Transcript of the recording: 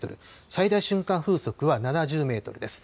最大瞬間風速は７０メートルです。